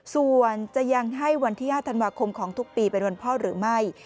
ส่วนจะยังให้วันที่๕ธันวาคมของทุกปีเป็นวันพ่อหรือไม่